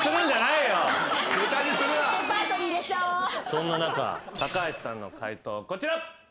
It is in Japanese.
そんな中高橋さんの解答はこちら。